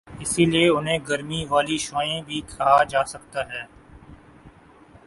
اسی لئے انہیں گرمی والی شعاعیں بھی کہا جاسکتا ہے